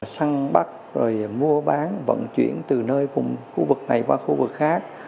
săn bắt rồi mua bán vận chuyển từ nơi vùng khu vực này qua khu vực khác